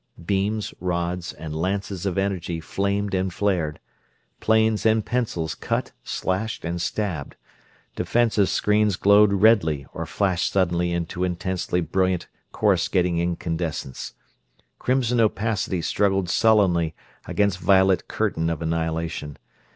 Beams, rods, and lances of energy flamed and flared; planes and pencils cut, slashed, and stabbed; defensive screens glowed redly or flashed suddenly into intensely brilliant, coruscating incandescence. Crimson opacity struggled sullenly against violet curtain of annihilation.